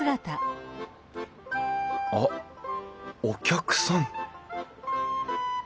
あっお客さん